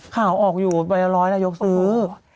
ข่าวออกอยู่๑๐๐นายกซื้อ